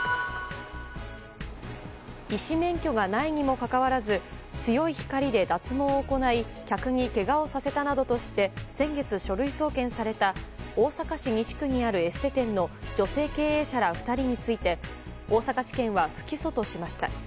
医師免許がないにもかかわらず強い光で脱毛を行い客にけがをさせたなどとして先月書類送検された大阪市西区にあるエステ店の女性経営者ら２人について大阪地検は、不起訴としました。